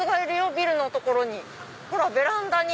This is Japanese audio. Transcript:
ビルの所にほらベランダに！